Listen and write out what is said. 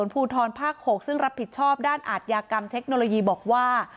ภูทรภาค๖ซึ่งรับผิดชอบด้านอาทยากรรมเทคโนโลยีบอกว่า